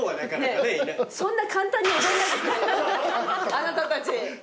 あなたたち。